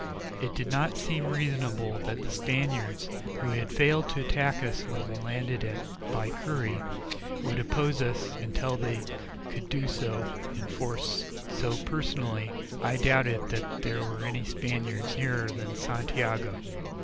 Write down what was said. It did not seem reasonable that the Spaniards, who had failed to attack us when we landed at Baiquiri, would oppose us until they could do so in force, so, personally, I doubted that there were any Spaniards nearer than Santiago.